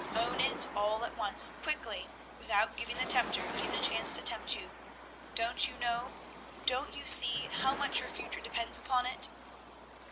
Own it all at once, quickly, without giving the tempter even a chance to tempt you! Don't you know, don't you see, how much your future depends upon it?